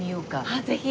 あっぜひ！